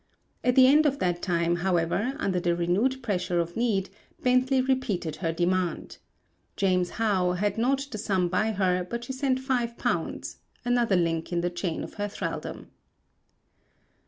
At the end of that time, however, under the renewed pressure of need Bently repeated her demand. "James How" had not the sum by her, but she sent £5 another link in the chain of her thraldom.